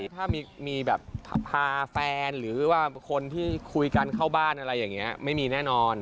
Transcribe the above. ถ้ามีแบบพาแฟนหรือว่าคนที่คุยกันเข้าบ้านอะไรอย่างนี้ไม่มีแน่นอน